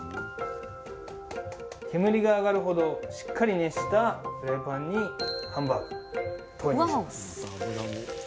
煙が上がるほどしっかり熱したフライパンにハンバーグ投入します。